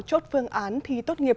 chốt phương án thi tốt nghiệp